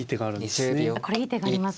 これいい手がありますか。